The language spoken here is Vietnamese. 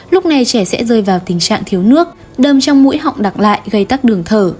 lúc này trẻ sẽ rơi vào tình trạng thiếu nước đơm trong mũi họng đặc lại gây tắc đường thở